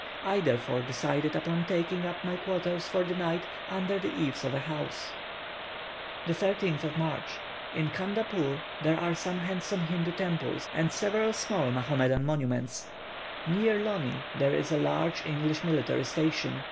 I therefore decided upon taking up my quarters for the night under the eaves of a house. 13th March. In Candapoor there are some handsome Hindoo temples and several small Mahomedan monuments. Near Lony is a large English military station.